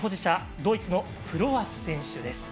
ドイツのフロアス選手です。